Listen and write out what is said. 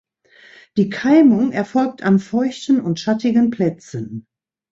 Die Keimung erfolgt an feuchten und schattigen Plätzen.